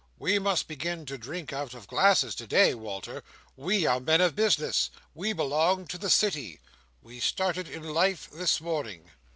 We must begin to drink out of glasses today, Walter. We are men of business. We belong to the City. We started in life this morning."